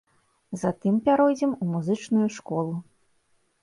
Затым пяройдзем у музычную школу.